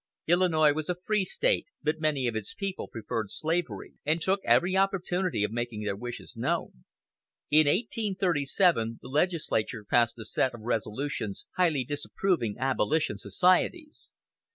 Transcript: Illinois was a free State, but many of its people preferred slavery, and took every opportunity of making their wishes known. In 1837 the legislature passed a set of resolutions "highly disapproving abolition societies."